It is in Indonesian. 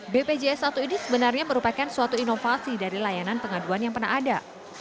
bpjs satu ini sebenarnya merupakan suatu inovasi dari layanan pengaduan yang pernah ada